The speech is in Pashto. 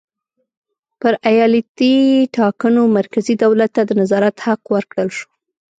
پر ایالتي ټاکنو مرکزي دولت ته د نظارت حق ورکړل شو.